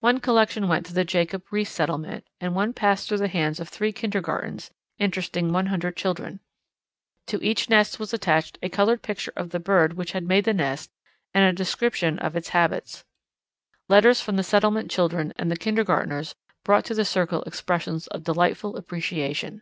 One collection went to the Jacob Riis Settlement, and one passed through the hands of three kindergartens, interesting 100 children. To each nest was attached a coloured picture of the bird which had made the nest, and a description of its habits. Letters from the Settlement children and the kindergartners brought to the Circle expressions of delightful appreciation."